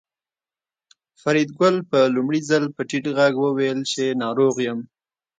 فریدګل په لومړي ځل په ټیټ غږ وویل چې ناروغ یم